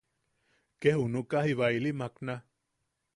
Ke junuka jiba ili makna.